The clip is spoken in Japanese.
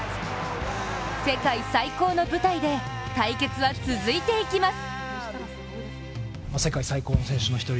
世界最高の舞台で対決は続いていきます。